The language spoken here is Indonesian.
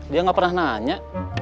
dia nggak pernah nanya